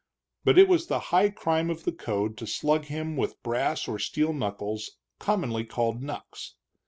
But it was the high crime of the code to slug him with brass or steel knuckles, commonly called knucks.